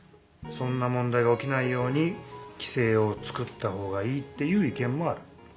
そんな問題が起きないように規制を作ったほうがいいっていう意見もある。